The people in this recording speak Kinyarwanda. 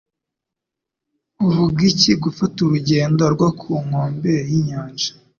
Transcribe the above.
Uvuga iki gufata urugendo rwo ku nkombe y'inyanja?